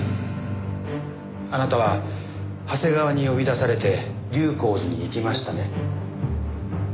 あなたは長谷川に呼び出されて龍口寺に行きましたね？